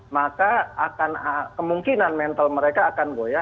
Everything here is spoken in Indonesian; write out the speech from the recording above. maka akan kemungkinan mental mereka akan goyah